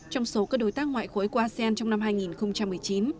trong số các đối tác ngoại khối của asean trong năm hai nghìn một mươi chín